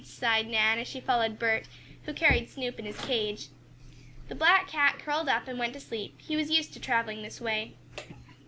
sighed Nan as she followed Bert, who carried Snoop in his cage. The black cat curled up and went to sleep. He was used to traveling this way.